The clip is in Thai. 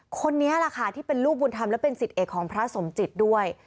คนนี้แหละค่ะที่เป็นลูกบุญธรรมและเป็นสิทธิเอกของพระสมจิตด้วย